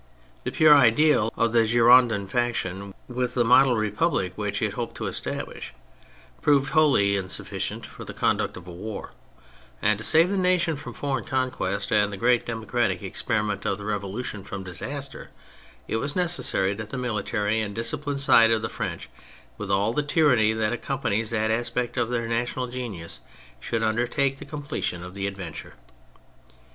The pure ideal of the Girondin faction, with the model republic which it hoped to establish, proved wholly insufficient for the conduct of a war ; and to save the nation from foreign conquest and the great democratic experiment of the Revolution from disaster, it was neces sary that the military and disciplined side of the French, with all the tyranny that accom panies that aspect of their national genius, should undertake the completion of the adventure.